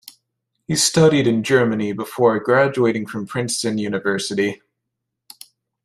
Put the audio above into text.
He studied in Germany before graduating from Princeton University.